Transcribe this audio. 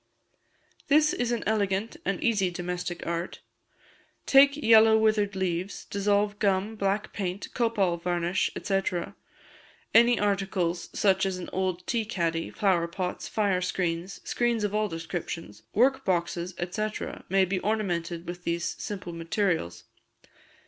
This is an elegant and easy domestic art. Take yellow withered leaves, dissolve gum, black paint, copal varnish, &c. Any articles, such as an old tea caddy, flower pots, fire screens, screens of all descriptions, work boxes, &c., may be ornamented with these simple materials.